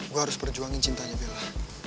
gue harus berjuangin cintanya bella